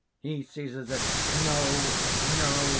He seizes it._) "No, no!